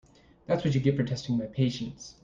That’s what you get for testing my patience.